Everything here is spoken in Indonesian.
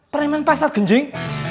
preman pasar genjing